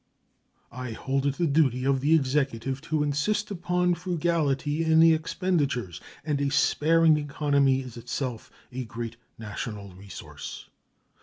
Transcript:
I hold it the duty of the Executive to insist upon frugality in the expenditures, and a sparing economy is itself a great national resource.